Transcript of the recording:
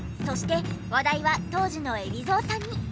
そして話題は当時の海老蔵さんに。